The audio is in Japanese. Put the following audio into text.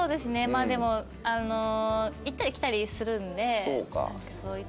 まあでもあの行ったり来たりするので。